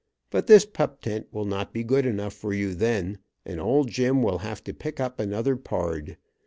But this pup tent will not be good enough for you then, and old Jim will have to pick up another pard.